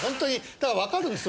だからわかるんですよ。